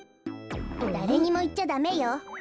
だれにもいっちゃダメよ。